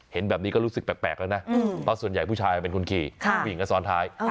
เห็นแบบนี้ก็รู้สึกแปลกแล้วนะเพราะส่วนใหญ่ผู้ชายเป็นคนขี่ผู้หญิงก็ซ้อนท้าย